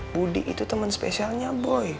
budi itu teman spesialnya boy